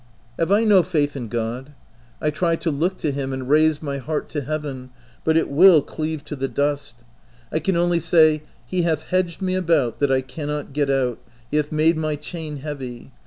Have I no faith in God ? I try to look to him and raise my heart to Heaven, but it will cleave to the dust : I can only say —" He hath hedged me about, that I cannot get out : he hath made my chain heavy.